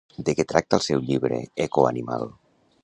De què tracta el seu llibre Ecoanimal?